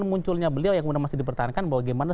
munculnya beliau yang masih dipertahankan bahwa bagaimana